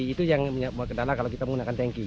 itu yang kendala kalau kita menggunakan tanki